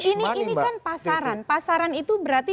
ini kan pasaran pasaran itu berarti